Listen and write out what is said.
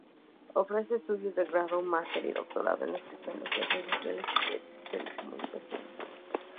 Ofrece estudios de Grado, Máster y Doctorado en las tecnologías industriales y de telecomunicaciones.